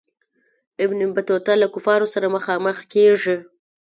ابن بطوطه له کفارو سره مخامخ کیږي.